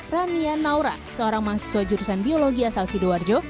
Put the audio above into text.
rania naura seorang mahasiswa jurusan biologi asal sidoarjo